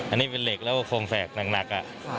อันนี้เป็นเหล็กแล้วก็โครงแสกหนัก